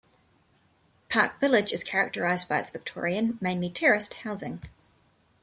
Park Village is characterised by its Victorian, mainly terraced, housing.